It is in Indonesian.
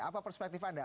apa perspektif anda